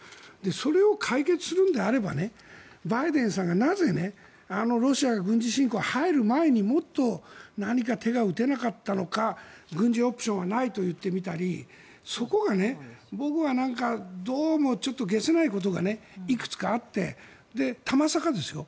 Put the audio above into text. それを解決するのであればバイデンさんがなぜロシアが軍事侵攻に入る前にもっと何か手が打てなかったのか軍事オプションはないと言ってみたりそこが僕はどうもちょっと解せないことがいくつかあってたまさかですよ